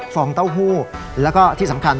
ฟองเต้าหู้และที่สำคัญ